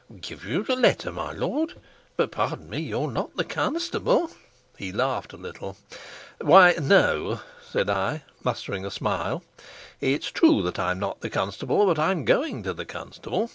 "Give you the letter, my lord? But, pardon me, you're not the constable." He laughed a little. "Why, no," said I, mustering a smile. "It's true that I'm not the constable, but I'm going to the constable.